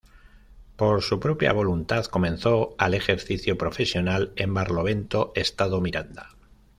Por su propia voluntad, comenzó al ejercicio profesional en Barlovento, estado Miranda.